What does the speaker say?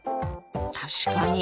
確かに。